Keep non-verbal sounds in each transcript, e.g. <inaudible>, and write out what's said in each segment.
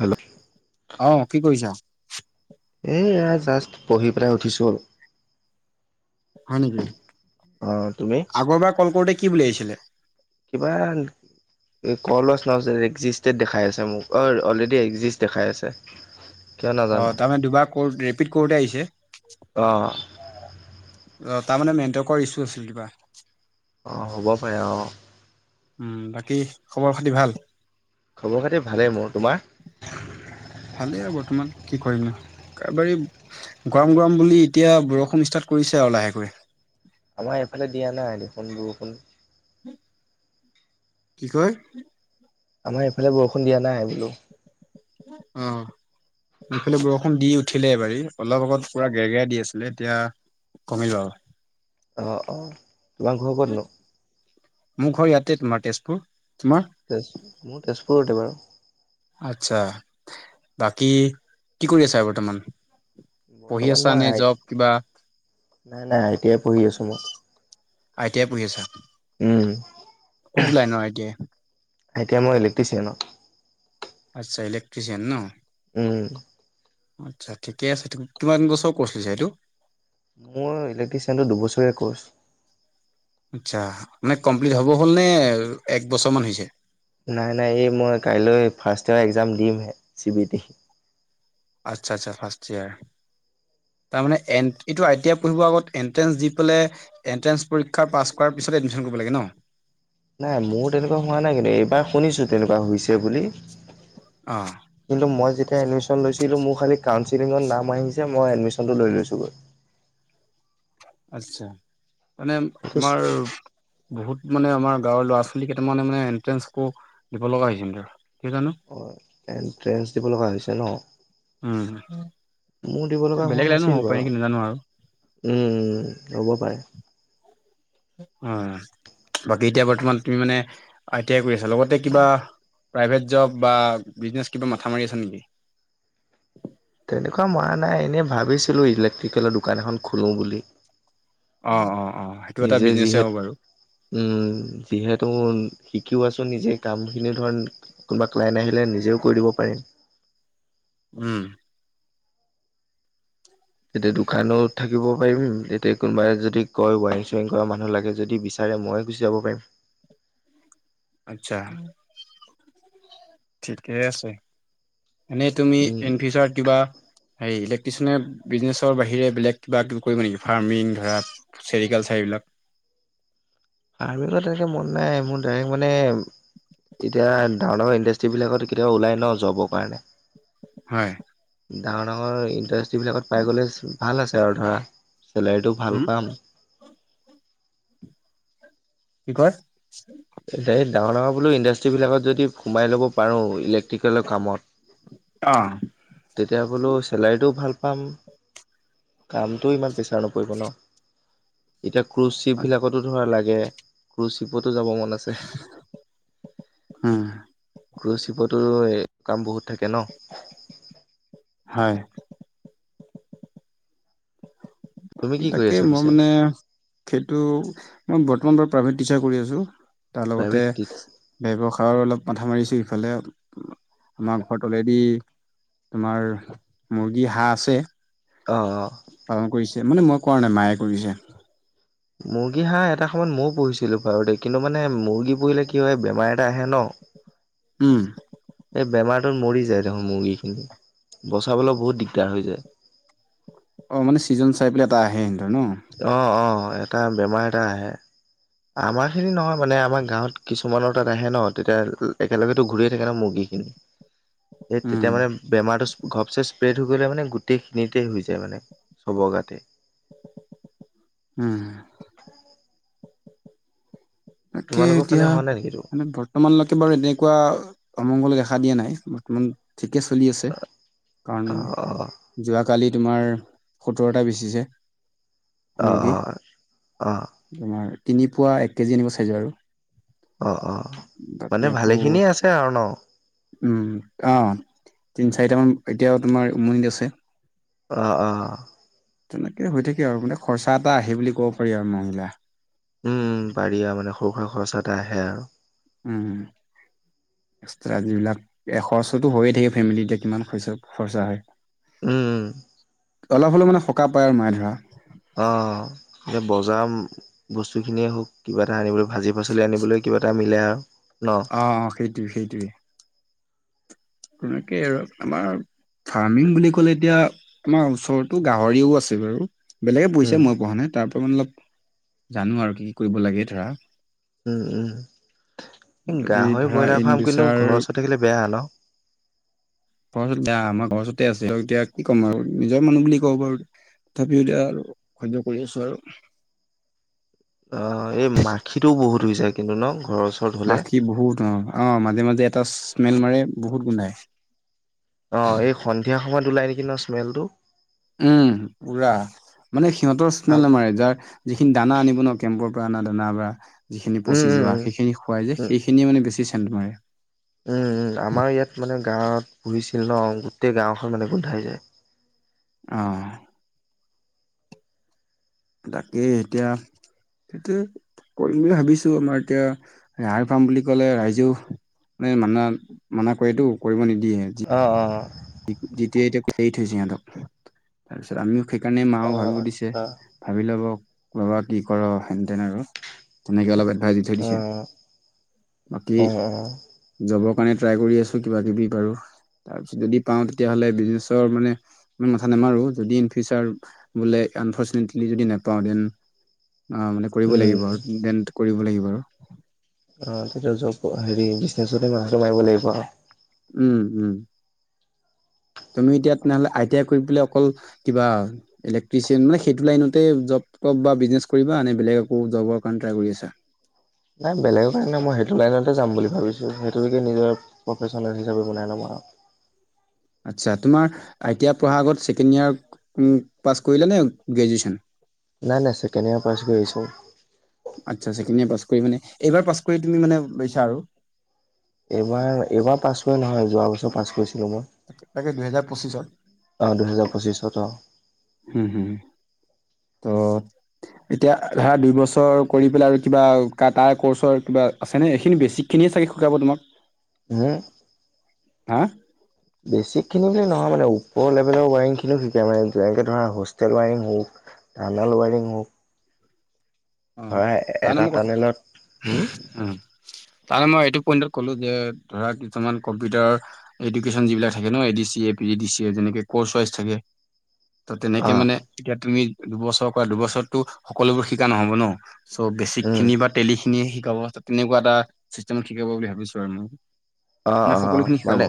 Hello, অ কি কৰিছা? এ এয়া জাষ্ট পঢ়ি পেলাই উঠিছো। হয় নেকি? অ তুমি? আগৰবাৰ কল কৰোঁতে কি বুলি আহিছিলে? কিবা। এই কল নাও একজিষ্টেড দেখাই আছে মোক অ অলৰেডি একজিষ্ট দেখাই আছে। <unintelligible> অঁ তাৰমানে দুবাৰ ক'ৰ্ ৰিপিট কৰোঁতে আহিছে। অঁ, অ তাৰমানে নেণ্টৱৰ্কৰ ইছ্যু আছিল কিবা। অ হ'ব পাৰে অ। উম বাকী খবৰ খাতি ভাল। খবৰ খাতি ভালেই মোৰ, তোমাৰ? ভালেই আৰু বৰ্তমান কি কৰিম নো এবাৰ, গৰম গৰম বুলি এতিয়া বৰষুণ ষ্টাৰ্ট কৰিছে আৰু লাহেকৈ। আমাৰ এইফালে দিয়া নাই দেখোন বৰষুণ, কি কয়। আমাৰ এইফালে বৰষুণ দিয়া নাই বোলো। অ, এইফালে বৰষুণ দি উঠিলে এবাৰি অলপ আগত পুৰা গেৰ গেৰাই দি আছিলে এতিয়া। কমিল আৰু অ অ তোমাৰ ঘৰ কত নো। মোৰ ঘৰ ইয়াতে তোমাৰ তেজপুৰ তোমাৰ। তেজ মোৰ তেজপুৰতে বাৰু আচ্ছা বাকী কি কৰি আছা বৰ্তমান। পঢ়ি বৰ্তমান আছা মই নে আই জব কিবা নাই নাই আই টি আই পঢ়ি আছো মই। আই টি আই পঢ়ি আছা উম, কোনটো লাইনৰ I T I. I T I মই ইলেক্ট্ৰিচিয়ানৰ। আচ্ছা ইলেক্ট্ৰিচিয়ান ন। উম, আচ্ছা ঠিকে আছে তুমি কিমান বছৰ কৌছ লৈছা এইটো। মোৰ ইলেক্ট্ৰিচিয়ান টো দুবছৰীয়া কৰ্ছ আচ্ছা মানে কমপ্লিট হ'ব হ'লনে এক বছৰমান হৈছে নাই নাই এই মই কাইলৈ ফাৰ্ষ্ট ইয়েৰৰ একজাম দিমহে চি বি এ টি আচ্ছা আটছা ফাৰ্ষ্ট ইয়াৰ তাৰমানে এন এইটো আই টি আই পঢ়িবৰ আগত এণ্ট্ৰেঞ্চ দি পেলাই এণ্ট্ৰেঞ্চ পৰীক্ষা পাছ কৰাৰ পিছতহে এডমিশ্যন কৰিব লাগে ন। নাই মোৰ তেনেকুৱা হোৱা নাই কিন্তু এইবাৰ শুনিছো তেনেকুৱা হৈছে বুলি। অ, কিন্তু মই যেতিয়া এডমিশ্যন লৈছিলো মোৰ খালি কাউনচিলিঙত নাম আহিছে মই এডমিশ্যন টো লৈ লৈছো গৈ। আচ্ছা মানে আমাৰ। বহুত মানে আমাৰ গাঁৱৰ ল'ৰা ছোৱালী কেইটামানে মানে এন্ট্ৰেন্ঞ্চ কো দিব লগা হৈছিল সিতৰ অ এনট্ৰেঞ্চ দিব লগা হৈছে ন। উম মোৰ দিব লগা বেলেগ হোৱা লাইনো হ'ব নাছিল পাৰে বাৰু নেকি নাজানো আৰু উম উম হ'ব পাৰে। উম বাকী এতিয়া বৰ্তমান তুমি মানে আই টি আই কৰি আছা লগতে কিবা। প্ৰাইভেট জব বা বিজনেছ কিবা মাথা মাৰি আছা নিকি তেনেকুৱা মৰা নাই এনেই ভাবিছিলো ইলেক্ট্ৰিকেলৰ দোকান এখন খোলো বুলি অ অ অ সেইটো এটা নিজে বিজনেছে যিহেত হব বাৰু উম যিহেতু শিকিও আছো নিজে কামখিনি ধৰণ কোনোবা ক্লাইন আহিলে নিজও দিব পাৰিম উম তেতিয়া দোকানত থাকিব পাৰিম এতিয়া কোনোবাই যদি কয় ৱাৰিং চোৱাৰিং কৰা মানুহ লাগে যদি বিচ তাৰে মই গুচি যাব পাৰিম আত্ছা ঠিকে আছে এনেই তুমি উম ইনফিউচাৰ কিবা এই ইলেক্ট্ৰিচিয়নে বিজনেচৰ বাহিৰে বেলেগ কিবা কিবি কৰিবা নেকি ফাৰ্মিং ধৰা চেৰিকালচাৰ, এইবিলাক <unintelligible> মন নাই। মোৰ ডাইৰেক্ট মানে এতিয়া, ডাঙৰ-ডাঙৰ ইণ্ডাষ্ট্ৰ্ৰী বিলাকত, কেতিয়াবা ওলাই ন'! জবৰ কাৰণে। হয়! ডাঙৰ ডাঙৰ ইণ্ডাষ্টিজ বিলাকত পাই গ'লে ভাল আছে আৰু ধৰা চেলাৰীটো ভাল হুম, পাম কি কয় এই ডাঙৰ ডাঙৰ বোলো ইণ্ডাষ্ট্ৰিজ বিলাকত যদি সোমাই ল'ব পাৰোঁ ইলেক্ট্ৰিকেলৰ কামত অ তেতিয়া বোলো, চেলাৰীটোও ভাল পাম। কামটোও ইমান বেছি তেওঁ নকৰিব ন'! এতিয়া, ক্ৰুজ শিপ বিলাকতো ধৰা লাগে। ক্ৰুজ শিপতো যাব মন আছে। উম, ক্ৰুজ শিপতো, এ, কাম বহুত থাকে ন? হয়! তুমি কি কৰি তাকে, আছা মই পিছে মানে সেইটো, মই বৰ্তমান বাৰু প্ৰাইভেট টিচাৰ কৰি আছোঁ, তাৰ লগতে প্ৰাইভেট টিচ ব্যয়ৱসায়ৰ অলপ মাথা মাৰিছোঁ, ইফালে। আমাৰ ঘৰত অলৰেডি, তোমাৰ, মুৰ্গী, হাঁহ আছে। অ'! অ'! পালন কৰিছে। মানে, মই কৰা নাই, মায়ে কৰিছে। মুৰ্গী- হাঁহ, এটা সময়ত মইয়ো পুহিছিলোঁ। <unintelligible> কিন্তু মানে, মুৰ্গী পুহিলে কি হয়, বেমাৰ এটা আহে ন'। <inaudible> উম! এই বেমাৰটোত মৰি যায় দেখোন মুৰ্গী খিনি। বচাবলৈ বহুত দিগদাৰ হৈ যায়। অ'! মানে, ছিজন চাই পেলাই, এটা আহে হেতঁৰ ন'। অ' অ'! এটা বেমাৰ, এটা আহে। আমাৰ খিনি নহয় মানে। আমাৰ গাঁৱত কিছুমানৰ তাত আহে ন'? তেতিয়া, একেলগেতো ঘূৰিয়ে থাকে ন' মুৰ্গী খিনি, সেই উম তেতিয়া মানে, বেমাৰটো, ঘপচে স্প্ৰেড হৈ গ'লে মানে, গোটেইখিনিতে হৈ যায় মানে, চব গাতে। উম! তাকে, তোমালোকৰ ফালে এতিয়া হোৱা নাই নেকি এইটো মানে, বৰ্ত বৰ্তমানলৈকে বাৰু এনেকুৱা অমংগল দেখা দিয়া নাই। বৰ্তমান ঠিকে চলি আছে। কাৰণ অ যোৱাকালি তোমাৰ, সোতৰটা বেচিছে। অ অ মুৰ্গী, অ অ', তোমাৰ তিনি পোৱা, এক কেজি আনিব, চাইজৰ আৰু। অ' অ'! বাকী মানে, আকৌ ভালেখিনিয়ে আছে আৰু ন'? অ'! তিনি-চাৰিটামান, এতিয়াও তোমাৰ উমনিত আছে। অ' অ'! তেনেকে হৈ থাকে আৰু। মানে, খৰচা এটা আহে বুলি ক'ব পাৰি আৰু। <unintelligible> উম! পাৰি আৰু। মানে, সৰু-সুৰা খৰচা এটা আহে আৰু। উম! উম! এক্সট্ৰা যিবিলাক, এই, খৰচোতো হৈয়ে থাকে, ফেমিলি। এতিয়া, কিমান খৰচা-খৰচা হয়। উম! উম! অলপ হ'লও মানে, সকাহ পায় আৰু মায়ে ধৰা। অ'! এ, বজাৰ বস্তুখিনিয়ে হওঁক, কিবা এটা আনিবলৈ, ভাজি পাচলি আনিবলৈ। কিবা এটা মিলে আও। অ' অ'! সেইটোৱে, সেইটোৱেই। তেনেকেই আৰু। আমাৰ ফাৰ্মিং বুলি ক'লে! এতিয়া, আমাৰ ওচৰতো গাহৰিও আছে বাৰু। বেলেগে পুহিচে, উম, মই পুহা নাই। তাৰপৰা, মানে অলপ জানোঁ আৰু কি কি কৰিব লাগে ধৰা। উম! উম! যদি গাহৰি, ধৰা ব্ৰইলাৰ ইন ফাৰ্ম কিন্তু, ফিউচাৰ ঘৰৰ ওচৰত থাকিলে বেয়া ন'? ঘৰৰ ওচত দিয়া আমাৰ ঘৰৰ ওচৰতে আছে সিহঁতক এতিয়া কি ক'ম আৰু নিজৰ মানুহ বুলি কব পাৰু। তথাপিও এতিয়া আৰু সয্য কৰি আছো আৰু। অ এই মাখিটোও বহুত হৈ যায় কিন্তু ন ঘৰৰ ওচ মাখি বহুত অ অ মাজে মাজে এটা স্মেল মাৰে বহুত গোন্ধায়। অ'! এই, সন্ধিয়া সময়ত ওলাই নেকি ন'! স্মেলটো? উম! পূৰা। মানে, সিহঁতৰ উম, স্মেল নামাৰে। যাৰ যিখিনি দানা আনিব ন', কেম্পৰ পৰা অনা দানা বা যিখিনি উম, পঁচি উম, যোৱা। সেইখিনি খুৱাই যে, উম, সেইখিনিয়ে মানে, বেছি চেণ্ট মাৰে। উম আমাৰ ইয়াত মানে গাঁৱত পুহিছিল ন গোটেই গাঁওখন মানে গোন্ধাই যায়। অ তাকেই এতিয়া সেইটোৱে। কৰিম বুলি ভাবিছো আমাৰ এতিয়া হাৰ ফাৰ্ম বুলি কলে ৰাইজেও মানে মানা মানা কৰেটো কৰিব নিদিয়ে যি অ অ অ। যেতিয়াই এতিয়া এৰি থৈছে সিহঁতক তাৰপিছত আমিও সেইকাৰণে মাও ভাবিও দিছে। আচ্ছা ভাবি ল'ব ল'বা কি কৰ হেনতেন আৰু তেনেকে অলপ এডভাইচ দি থৈ দিছে অ', বাকী অ', অ'। জবৰ কাৰণে ট্ৰাই কৰি আছো কিবা কিবি বাৰু তাৰপিছত যদি পাওঁ তেতিয়াহ'লে বিজনেছৰ মানে ইমান মাথা নামাৰো যদি ইন ফিচাৰ বোলে আনফচিনেটলি যদি নাপাওঁ দেন অ মানে কৰিব উম, লাগিব আৰু দেন কৰিব লাগিব আৰু। অ তেতিয়া জব হেৰি বিজনেছতে মাথাটো মাৰিব লাগিব আও। উম উম। তুমি এতিয়া তেনেহ'লে আই টি আই কৰি পেলায় অকল কিবা ইলেক্ট্ৰিচিয়ান মানে সেইটো লাইনতে জব তব বা বিজনেছ কৰিবা নে বেলেগ আকৌ জবৰ কাৰণে ট্ৰাই কৰি আছা। নাই বেলেগৰ কাৰণে মই সেইটো লাইনতে যাম বুলি ভাবিছো সেইটো কি নিজৰ প্ৰফেচনেল হিচাপে বনাই লম আও। আচ্ছা, তোমাৰ আই তি আই পঢ়াৰ আগত ছেকেণ্ড ইয়েৰ উ'ম, পাছ কৰিলে নে গ্ৰজুয়েচন? নাই, নাই ছেকেণ্ড ইয়াৰ পাছ কৰিছো। আচ্ছা, ছেকেণ্ড ইয়েৰ পাছ কৰি মানে এইবাৰ পাছ কৰি তুমি মানে লৈছা আৰু? এইবাৰ এইবাৰ পাছ কৰি নহয় যোৱা বছৰ পাছ কৰিছিলো মই। তাকে দুহেজাৰ পঁচিছত। অ দুহেজাৰ পঁচিছত অ। হুম হুম ত। এতিয়া ধৰা দুই বছৰ কৰি পেলাই আৰু কিবা কা তাৰ কৰ্চৰ কিবা আছেনে এইখিনি বেছিকখিনিয়ে চাগে শুদাব তোমাক। উম হু। হা। বেছিকখিনি বুলি নহয় মানে ওপৰ লেভেলৰ ৱাৰিং খিনিও শিকাই মানে যেনেকে ধৰা হোষ্টেল ৱাৰিং হওঁক। কালাৰ ৱাৰিং হওঁক। অঁ, ধৰা জান এটা মোৰ কথা, টানেলত হম উম। তাৰ মই এইটো পইন্টত কলো যে ধৰা কিছুমান কম্পিউটাৰ এডুকেশ্যন যিবিলাক থাকে ন A D C, A P G D C A যেনেকে কৰ্চ ৱাইচ থাকে। ত' তেনেকে অ মানে এতিয়া তুমি দুবছৰ কৰা দুবছৰত টো সকলোবোৰ শিকা নহ'ব ন। চ' বেচিক উম খিনি বা তেলি খিনিয়ে শিকাব তেনেকুৱা এটা চিষ্টেমত শিকাব বুলি ভাবিছো আৰু মই। অহ মানে অহ সকলোখিনি শিকাব মানে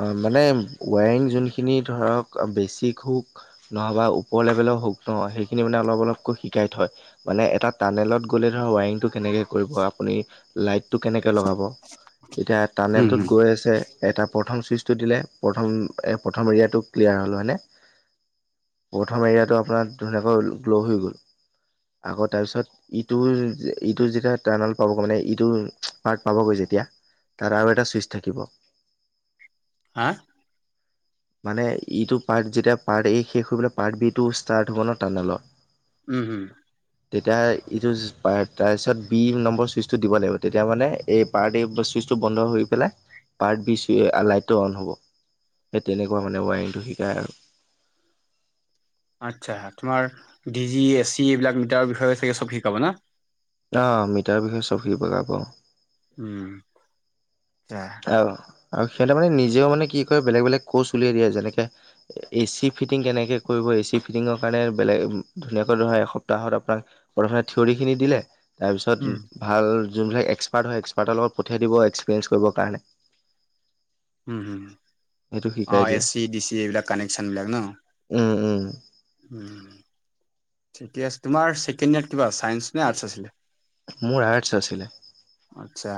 অঁ মানে ৱায়ৰিং যোনখিনি ধৰক অঁ বেছিক হোক নহ'বা ওপৰ লেভেলও হওঁক নহ সেইখিনি মানে অলপ অলপকৈ শিকাই থয়। মানে এটা টানেলত গ'লে ধৰা ৱাৰিঙ কেনেকে কৰিব আপুনি লাইটটো কেনেকে লগাব। এতিয়া হম টানেলটোত হম গৈ গৈছে এটা প্ৰথম চুইচটো দিলে প্ৰথম এ প্ৰথম এৰিয়াটো ক্লিয়াৰ হ'ল, হয়নে? প্ৰথম এৰিয়াটো আপোনাৰ ধুনীয়াকৈ গ্ল' হৈ গ'ল, আকৌ তাৰপিছত ইটো ইটো যেতিয়া টাৰনল পাবগে মানে ইটো পাৰ্ট পাবগৈ যেতিয়া তাৰ আৰু এটা চুইচ থাকিব। হা? মানে ইটো পাৰ্ট যেতিয়া পাৰ্ট এ শেষ হৈ পেলাই, পাৰ্ট বি টো ষ্টাৰ্ট হ'ব ন টানেলৰ উম হোম। তেতিয়া এইটো তাৰপিছত বি নম্বৰ চুইচটো দিব লাগিব। তেতিয়া মানে এই পাৰ্ট এ চুইচ টো বন্ধ হৈ পেলাই পাৰ্ট বি চ এ লাইটটো অন হ'ব। সেই তেনেকুৱা মানে ৱায়ৰিংটো শিকায় আৰু আচ্ছা, তোমাৰ ডি জি এছ চি এইবিলাক মিটাৰৰ বিষয়ে চাগে চব শিকাব না? অঁ মিটাৰ বিষয়ে চব খিনি শিকাব। উ'ম। আহ আৰু সিহঁতে মানে নিজেও মানে কি কৰে বেলেগ বেলেগ কৰ্চ উলিয়াই দিয়ে। যেনেকে এ চি ফিটিং কেনেকে কৰিব এ চি ফিটিঙৰ কাৰণে বেলেগ ধুনীয়াকৈ ধৰা এসপ্তাহত আপোনাৰ প্ৰথমতে থিয়ৰি খিনি দিলে। তাৰপিছত উম ভাল যোনবিলাক এক্সপাৰ্ট হয় এক্সপাৰ্টৰ লগত পঠিয়াই দিব এক্সপিৰিয়েঞ্চ কৰিবৰ কাৰণে। উ'ম হু'ম সেইটো শিকাই অ', এ দিয়ে চি ডি চি এইবিলাক কানেকচন বিলাক ন? উম, উম উম ঠিকে আছে। তোমাৰ ছেকেণ্ড ইয়েৰত কিবা চাইন্স নে আৰ্টছ আছিলে? মোৰ আৰ্টছ আছিলে। আচ্ছা,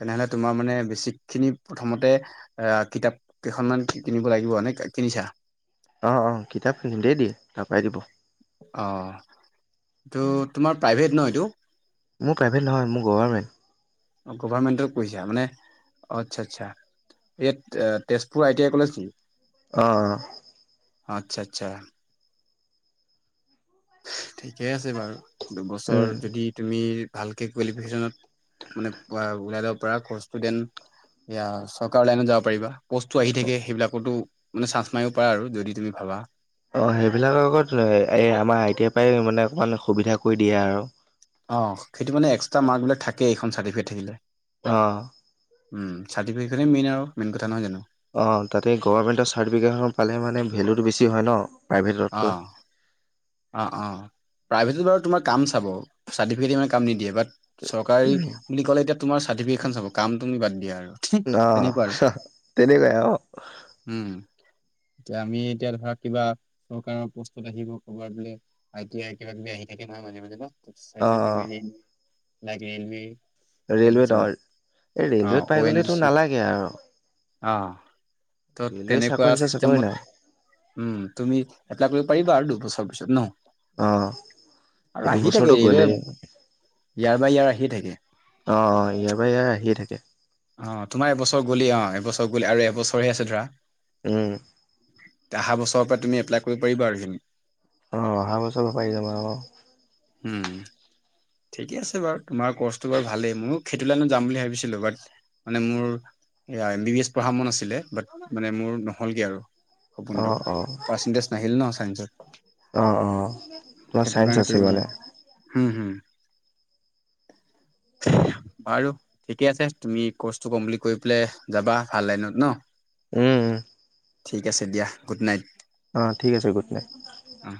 তেনেহলে তোমাৰ মানে বেছিক খিনি প্ৰথমতে এ কিতাপ কেইখনমান কিনিব লাগিব। নে কে কিনিছা? অঁ অঁ কিতাপ কিনোতেই দিয়ে, তাৰ পৰাই দিব। অহ এইটো তোমাৰ প্ৰাইভেট ন এইটো মোৰ প্ৰাইভে নহয় মোৰ গভাৰমেণ্ট গভাৰমেণ্টৰ কৰিছা মানে অ আচ্ছা আচ্ছা ইয়াত Tezpur I T I college নি অ অ আচ্ছা আচ্ছা ঠিকে আছে বাৰু উম দুবছৰ যদি তুমি ভালকে কোৱালিফিকেচনত মানে ওলাই লব পৰা কৰ্চটো দেন এয়া চৰকাৰৰ লাইনত যাব পাৰিবা। প'ষ্টটো আহি থাকে সেইবিলাকতো মানে চান্স মাৰিব পাৰা আৰু যদি তুমি ভাবা। অঁ সেইবিলাকৰ আগত তু এ এ আমাৰ আই টি আই পাই মানে অকমান সুবিধা কৰি দিয়ে আৰু। অ', সেইটো মানে এক্টা মাৰ্কবিলাক থাকে, এইখন চাৰ্টিফিকেট থাকিলে। অহ। উম চাৰ্টিফিকেট খনে মেইন আৰু মেইন কথা নহয় জানো? অ', তাতে গভমেণ্টৰ চাৰ্টিফিকেট খন পালে মানে ভেলুটো বেছি হয় ন প্ৰাইভেটতকৈ। অঁ অঁ, প্ৰাইভেটত বাৰু তোমাৰ কাম চাব চাৰ্টিফিকেট দি মানে কাম নিদিয়ে, বাত চৰকাৰী বুলি ক'লে এতিয়া তোমাৰ চাৰ্টিফিকেটখন চাব কাম তুমি বাদ দিয়া আৰু তেনেকুৱা আৰু। তেনেকাই আও উম এতিয়া আমি এতিয়া ধৰা কিবা চৰকাৰৰ পষ্টত আহিব কৰবাত বুলে আই টি আই কিবা কিবি আহি থাকে নহয় মাজে মাজে ন, ত চাই চাই অ', থাকিবি ৰে এনে লাইক ৰেলৱে ৰেলৱে তাৰপিছত নৰ এই ৰেলৱেত পাই গ'লেতো নালাগে আৰু আহ ত ৰেলৱে তেনেকুৱা চাকৰি নিচিনা চাকৰি চিষ্টেমত নাই উম তুমি এপ্লাই কৰিব পাৰিবা আৰু দুবছৰ পিছত ন অ', আৰু এইটো আহি বছৰটো থাকে ৰেলৱে গ'লেই ইয়াৰ বাই ইয়াৰ আহিয়ে থাকে অহ ইয়াৰ বাই ইয়াৰ আহিয়ে থাকে অ তোমাৰ এবছৰ গলেই অ এবছৰ গলে আৰু এবছৰহে আছে ধৰা উম অহা বছৰ পৰা তুমি এপ্লাই কৰিব পাৰিবা আৰু এইখিনি অ অহা বছৰ পাৰি যাম আৰু অ উম ঠিকে আছে বাৰু তোমাৰ কচটো বাৰু ভালেই ময়ো সেইটো লাইনত যাম বুলি ভাবিছিলো বাট মানে মোৰ এম বি বি এছ পঢ়া মন আছিলে বাট মানে মোৰ নহলগে আৰু সপোনটো অ', অ', পাৰ্চেন্টেজ নাহিল ন চাইন্সৰ অ', অ', তোমাৰ সেইটোৰ চাইন্স কাৰণে আছিল পঢ়িব মানে নোৱাৰিলো হম হুম বাৰু ঠিকে আছে তুমি কৰ্চটো কমপ্লিট কৰি পেলাই যাবা ভাল লাইনত ন উম ঠিক আছে দিয়া গুড নাইট অহ ঠিক আছে গুড নাইট অ।